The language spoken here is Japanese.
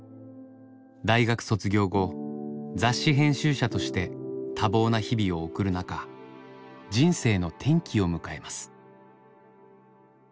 大学卒業後雑誌編集者として多忙な日々を送る中人生の転機を迎えます。